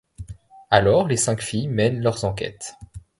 Alors les cinq filles mènent leurs enquêtes.